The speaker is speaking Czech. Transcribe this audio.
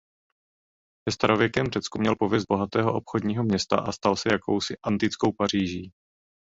Ve starověkém Řecku měl pověst bohatého obchodního města a stal se jakousi "antickou Paříží".